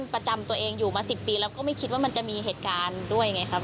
ผมมา๑๐ปีแล้วก็ไม่คิดว่ามันจะมีเหตุการณ์ด้วยไงครับ